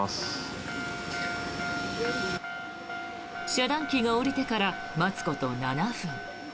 遮断機が下りてから待つこと７分。